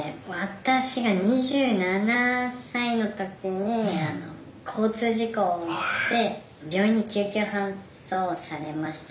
私が２７歳の時に交通事故で病院に救急搬送されました。